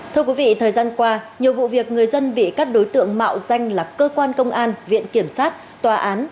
thưa quý vị thời gian qua nhiều vụ việc người dân bị các đối tượng mạo danh là cơ quan công an viện kiểm sát tòa án